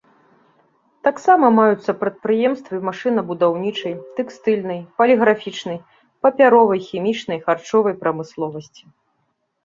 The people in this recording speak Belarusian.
Таксама маюцца прадпрыемствы машынабудаўнічай, тэкстыльнай, паліграфічнай, папяровай, хімічнай, харчовай прамысловасці.